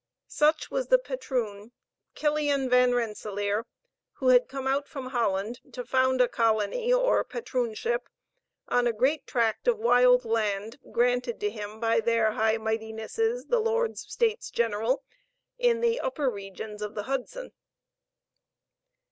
Such was the patroon Killian Van Rensellaer, who had come out from Holland to found a colony or patroonship on a great tract of wild land, granted to him by their Hight Mightinesses the Lords States General, in the upper regions of the Hudson.